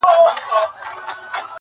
ښه خبر وو مندوشاه له مصیبته؛